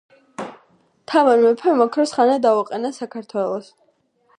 თამარ მეფემ ოქროს ხანა დაუყენა საქართველოს